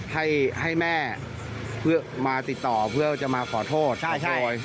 ให้ให้แม่เพื่อมาติดต่อเพื่อจะมาขอโทษใช่